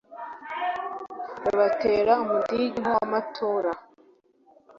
Rubatera umudigi nk'uwa nyamaturi